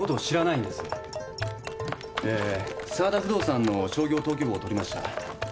えー澤田不動産の商業登記簿を取りました。